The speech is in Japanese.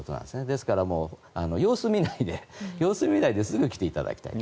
ですから様子を見ないですぐに来ていただきたい。